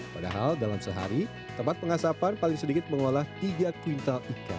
padahal dalam sehari tempat pengasapan paling sedikit mengolah tiga kuintal ikan